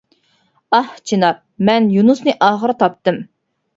ئاھ چىنار، مەن يۇنۇسنى ئاخىرى تاپتىم.